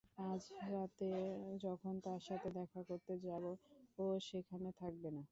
আজ রাতে যখন তার সাথে দেখা করতে যাবো, ও সেখানে থাকবে না।